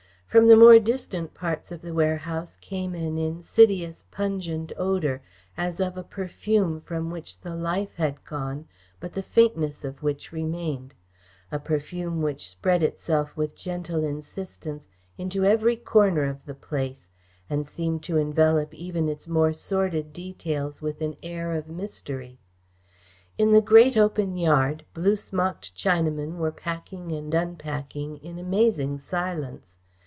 From the more distant parts of the warehouse came an insidious, pungent odour, as of a perfume from which the life had gone but the faintness of which remained; a perfume which spread itself with gentle insistence into every corner of the place and seemed to envelop even its more sordid details with an air of mystery. In the great open yard, blue smocked Chinamen were packing and unpacking in amazing silence.